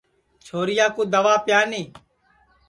چھوریا کُو دئوا پیانی